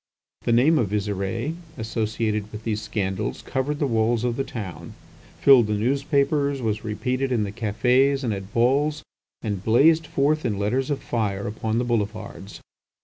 The name of Visire, associated with these scandals, covered the walls of the town, filled the newspapers, was repeated in the cafés and at balls, and blazed forth in letters of fire upon the boulevards.